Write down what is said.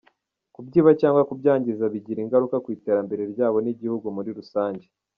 Kubyiba cyangwa kubyangiza bigira ingaruka ku iterambere ryabo n’igihugu muri rusange.